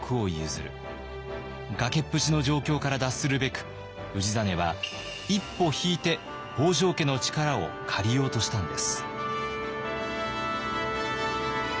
崖っぷちの状況から脱するべく氏真は一歩引いて北条家の力を借りようとしたんです。